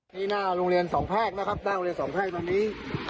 ที่หน้าโรงเรียนสองแพทย์นะครับหน้าโรงเรียนสองแพทย์วันนี้